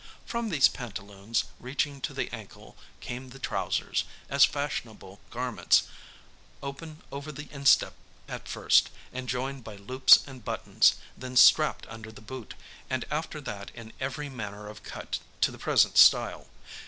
From these pantaloons reaching to the ankle came the trousers, as fashionable garments, open over the instep at first, and joined by loops and buttons, then strapped under the boot, and after that in every manner of cut to the present style.